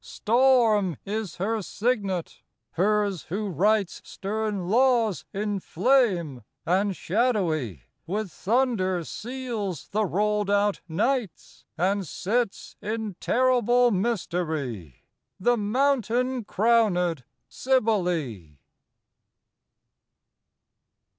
Storm is her signet; hers, who writes Stern laws in flame; and, shadowy, With thunder seals the rolled out nights, And sits in terrible mystery The mountain crownéd Cybele.